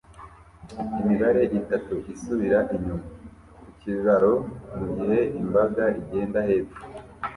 Imibare itatu isubira inyuma ku kiraro mugihe imbaga igenda hepfo